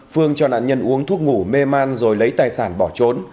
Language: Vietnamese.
phương cho nạn nhân uống thuốc ngủ mê man rồi lấy tài sản bỏ trốn